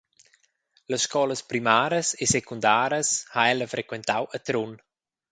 Las scolas primaras e secundaras ha ella frequentau a Trun.